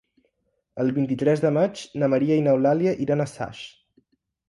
El vint-i-tres de maig na Maria i n'Eulàlia iran a Saix.